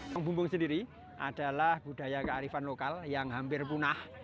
kampung bumbung sendiri adalah budaya kearifan lokal yang hampir punah